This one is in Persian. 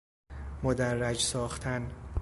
مدرج ساختن